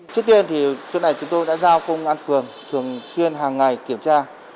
trước tiên thì chúng tôi đã giao công an phường thường xuyên hàng ngày kiểm tra